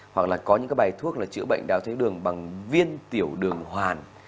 hoặc là có những cái bài thuốc là chữa bệnh đáy tháo đường bằng viên tiểu đường hoàn